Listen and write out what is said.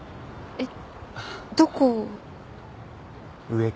えっ？